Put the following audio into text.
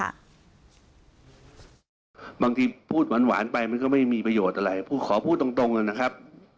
บางทีพูดหวานไปมันก็ไม่มีประโยชน์อะไรขอพูดตรงตรงนะครับ